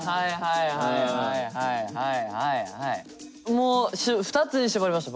もう２つに絞れました